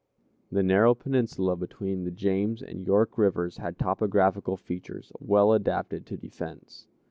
The narrow peninsula between the James and York Rivers had topographical features well adapted to defense.